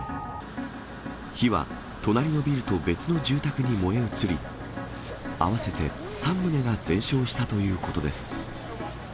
火は隣のビルと別の住宅に燃え移り、合わせて３棟が全焼したということです。